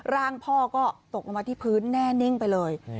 ร่างพ่อก็ตกลงมาที่พื้นแน่นิ่งไปเลย